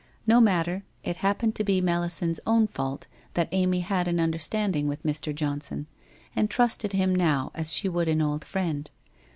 No matter, it happened to be Melisande's own fault that Amy had an understanding with Mr. Johnson, and trusted him now as she would an old friend.